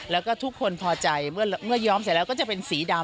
แล้วก็ทุกคนพอใจเมื่อย้อมเสร็จแล้วก็จะเป็นสีดำ